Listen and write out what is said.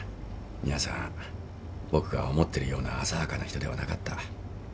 皆さん僕が思ってるような浅はかな人ではなかった。